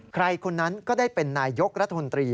คนนั้นก็ได้เป็นนายยกรัฐมนตรี